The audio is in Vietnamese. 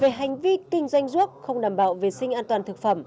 về hành vi kinh doanh ruốc không đảm bảo vệ sinh an toàn thực phẩm